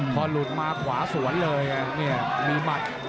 พอหลุดมาขวาสวนเลยเนี่ยมีหมัด